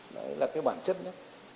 đấy là cái bản chất nhất